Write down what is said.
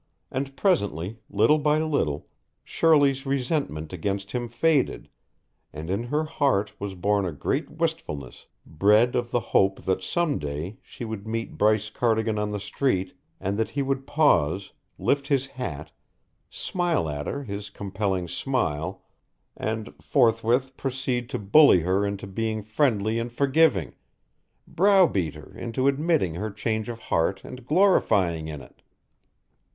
And presently, little by little, Shirley's resentment against him faded, and in her heart was born a great wistfulness bred of the hope that some day she would meet Bryce Cardigan on the street and that he would pause, lift his hat, smile at her his compelling smile and, forthwith proceed to bully her into being friendly and forgiving browbeat her into admitting her change of heart and glorying in it.